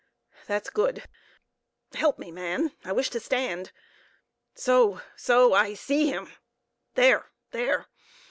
"That's good. Help me, man; I wish to stand. So, so, I see him! there! there!